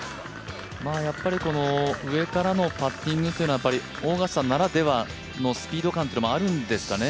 上からのパッティングというのは、オーガスタならではのスピード感もあるんですかね。